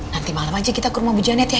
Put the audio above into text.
nanti malem aja kita ke rumah bu janet ya